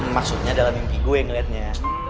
maksudnya dalam mimpi gue ngeliatnya